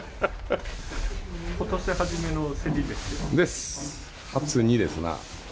今年初めの競りですよね？です。